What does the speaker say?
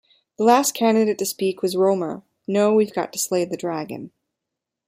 The last candidate to speak was Roemer: No, we've got to slay the dragon.